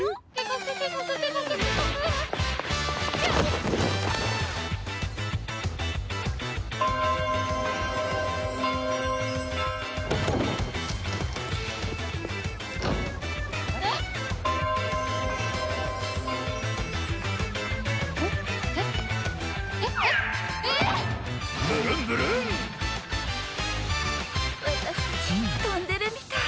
私たち飛んでるみたい！